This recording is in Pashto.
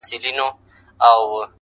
کور مي د بلا په لاس کي وليدی.